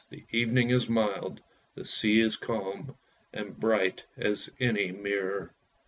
The evening is mild, the sea is calm and bright as any mirror.